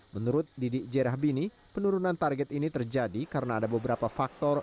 menurut didik jerahbini penurunan target ini terjadi karena ada beberapa faktor